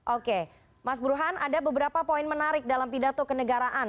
oke mas burhan ada beberapa poin menarik dalam pidato kenegaraan